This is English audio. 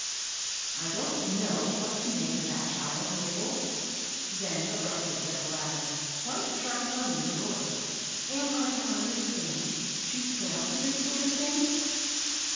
I don't know what to make of that child, Mabel," then abruptly said the latter, quite a sharp tone in her voica "Am I to understand she's put up to this sort of thing?